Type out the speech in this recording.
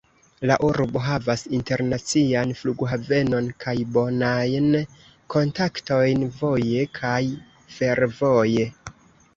La urbo havas internacian flughavenon kaj bonajn kontaktojn voje kaj fervoje.